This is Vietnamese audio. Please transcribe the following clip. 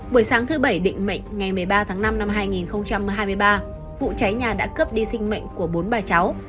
buổi sáng thứ bảy định mệnh ngày một mươi ba tháng năm năm hai nghìn hai mươi ba vụ cháy nhà đã cướp đi sinh mệnh của bốn bà cháu